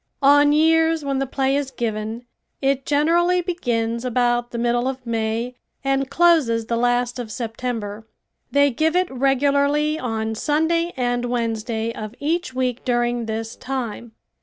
On years when the play is given it generally begins about the middle of May and closes the last of September. They give it regularly on Sunday and Wednesday of each week during this time.